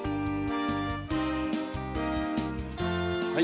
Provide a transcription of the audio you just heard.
はい。